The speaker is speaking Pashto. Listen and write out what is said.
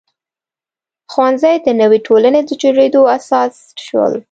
ښوونځي د نوې ټولنې د جوړېدو اساس شول.